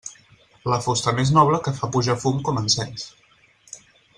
La fusta més noble que fa pujar fum com encens.